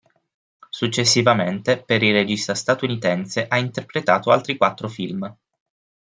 Successivamente per il regista statunitense ha interpretato altri quattro film.